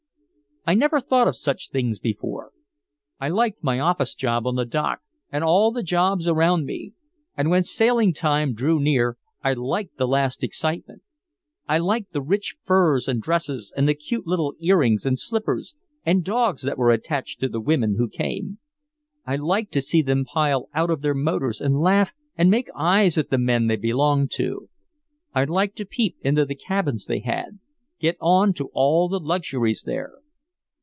"I never thought of such things before. I liked my office job on the dock and all the jobs around me and when sailing time drew near I liked the last excitement. I liked the rich furs and dresses and the cute little earrings and slippers and dogs that were attached to the women who came. I liked to see them pile out of their motors and laugh and make eyes at the men they belonged to. I liked to peep into the cabins they had get on to all the luxuries there.